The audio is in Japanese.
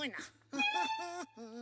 「フフフフ」